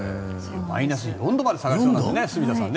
マイナス４度まで下がるという住田さんね。